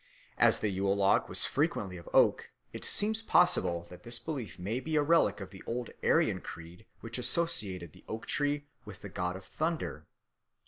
As the Yule log was frequently of oak, it seems possible that this belief may be a relic of the old Aryan creed which associated the oak tree with the god of thunder.